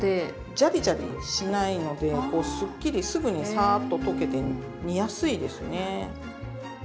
ジャリジャリしないのですっきりすぐにサーッと溶けて煮やすいですね。